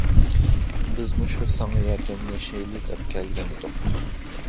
بىزمۇ شۇ ساڭا ياردەملىشەيلى دەپ كەلگەن ئىدۇق.